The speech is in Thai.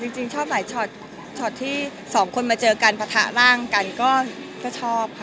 จริงชอบหลายช็อตที่สองคนมาเจอกันปะทะร่างกันก็ชอบค่ะ